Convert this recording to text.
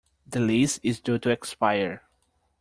The lease is due to expire.